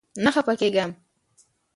نه خپه کيږم